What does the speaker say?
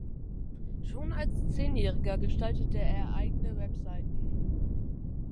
Schon als Zehnjähriger gestaltete er eigene Webseiten.